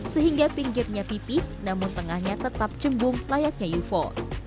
sehingga pinggirnya pipi namun tengahnya tetap cembung layaknya ufo